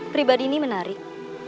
pribadi ini menarik